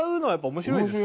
面白いですね。